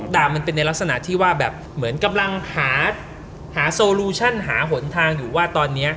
มันเป็นในลักษณะที่ว่าแบบเหมือนกำลังหาโซลูชั่นหาหนทางอยู่ว่าตอนนี้